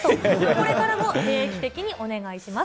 これからも定期的にお願いします。